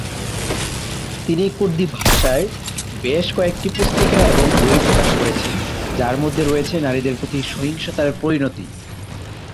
তিনি কুর্দিভাষায় বেশ কয়েকটি পুস্তিকা এবং বই প্রকাশ করেছেন যার মধ্যে রয়েছে নারীদের প্রতি সহিংসতার পরিণতি।